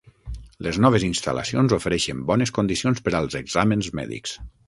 Les noves instal·lacions ofereixen bones condicions per als exàmens mèdics.